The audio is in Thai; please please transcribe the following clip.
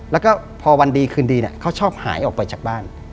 แล้วก็พอวันดีคืนดีเขาชอบหายออกไปจากบ้าน